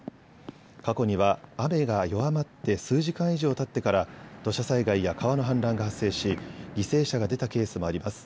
過去には雨が弱まって数時間以上たってから土砂災害や川の氾濫が発生し犠牲者が出たケースもあります。